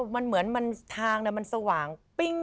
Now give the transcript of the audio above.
มันเหมือนทางมันสว่างปิ้ง